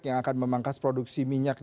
yang akan memangkas produksi minyak